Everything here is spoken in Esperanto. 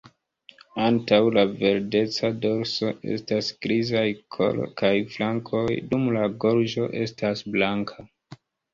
Antaŭ la verdeca dorso estas grizaj kolo kaj flankoj, dum la gorĝo estas blanka.